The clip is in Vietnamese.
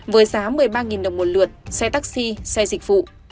với giá một mươi ba đồng một lượt xe taxi xe dịch vụ